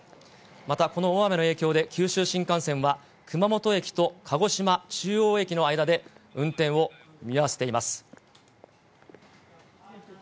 またこの大雨の影響で、九州新幹線は、熊本駅と鹿児島中央駅の間で、運転を見合わせています。